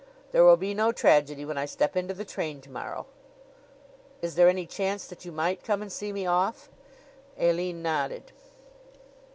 There will be no tragedy when I step into the train to morrow. Is there any chance that you might come and see me off?" Aline nodded.